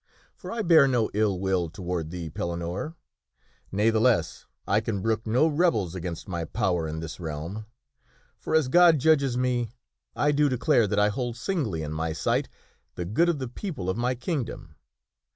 For I bear no ill will toward thee, Pellinore, ne'theless, I can brook no rebels against my power in this realm. For, as God judges me, I do declare that I hold singly in my sight the good of the people of my kingdom.